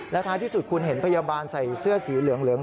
ท้ายที่สุดคุณเห็นพยาบาลใส่เสื้อสีเหลือง